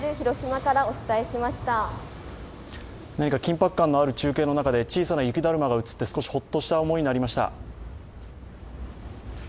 緊迫感のある中継の中で、小さな雪だるまが映って、少しほっとした思いになりました。